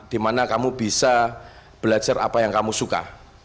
dimana kamu bisa belajar apa yang kamu suka